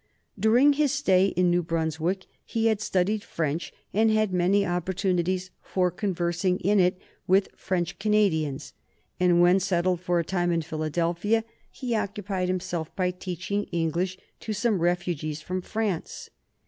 During his stay in New Brunswick he had studied French, and had many opportunities of conversing in it with French Canadians, and when settled for a time in Philadelphia he occupied himself by teaching English to some refugees from France.